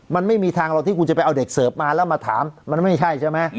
มันไม่มีทางหรอกที่คุณจะไปเอาเด็กเสิร์ฟมาแล้วมาถามมันไม่ใช่ใช่ไหม